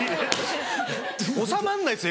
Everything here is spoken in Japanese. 収まんないですよ